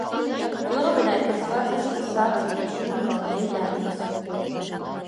Գյուղը բնակեցված է սկսած միջին բրոնզի դարից։